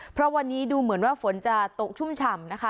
เพราะวันนี้ดูเหมือนว่าฝนจะตกชุ่มฉ่ำนะคะ